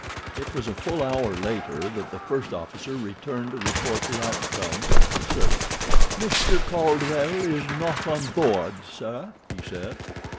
It was a full hour later that the first officer returned to report the outcome of the search. "Mr. Caldwell is not on board, sir," he said.